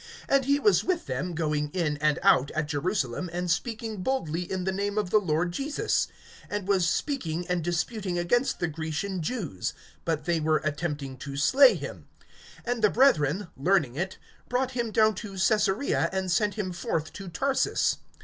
(28)And he was with them, going in and out at Jerusalem, (29)and speaking boldly in the name of the Lord Jesus; and was speaking and disputing against the Grecian Jews; but they were attempting to slay him. (30)And the brethren, learning it, brought him down to Caesarea, and sent him forth to Tarsus.